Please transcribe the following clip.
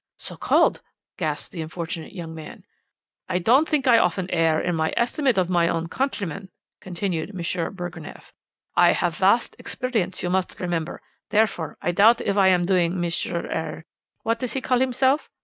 "'So called,' gasped the unfortunate young man. "'I don't think I often err in my estimate of my own countrymen,' continued M. Burgreneff; 'I have vast experience, you must remember. Therefore, I doubt if I am doing M. er what does he call himself?